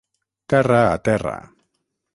Terra a terra.